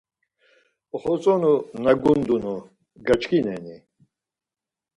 Oxotzonu na gundunu gaçkineni?